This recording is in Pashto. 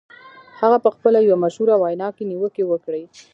هغه په خپله یوه مشهوره وینا کې نیوکې وکړې